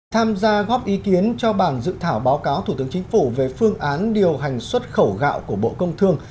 tham gia góp ý kiến cho bảng dự thảo báo cáo thủ tướng chính phủ về phương án điều hành xuất khẩu gạo của bộ công thương